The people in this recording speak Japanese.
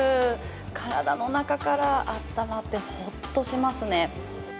体の中からあったまって、ホッととしますね。